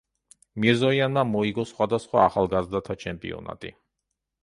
მირზოიანმა მოიგო სხვადასხვა ახალგაზრდათა ჩემპიონატი.